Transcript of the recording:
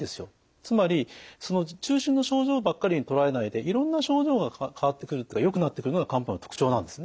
つまりその中心の症状ばっかりにとらわれないでいろんな症状が変わってくるよくなってくるのが漢方の特徴なんですね。